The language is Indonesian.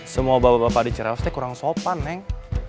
semua bapak bapak di cerawaste kurang sopan neng